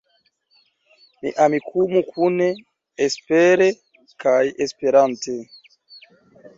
Ni Amikumu kune, espere kaj Esperante.